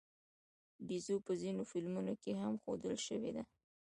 بیزو په ځینو فلمونو کې هم ښودل شوې ده.